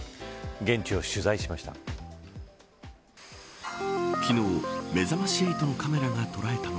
現地を取材しました。